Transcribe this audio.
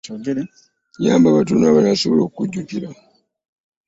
Yamba batono abanaasobola okukujjukira.